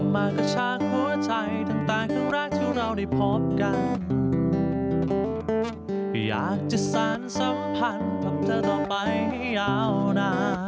พันธุ์ทำเธอต่อไปยาวนาน